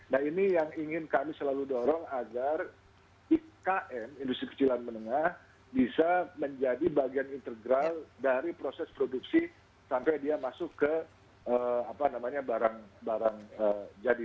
nah ini yang ingin kami selalu dorong agar ikm industri kecil dan menengah bisa menjadi bagian integral dari proses produksi sampai dia masuk ke barang barang jadi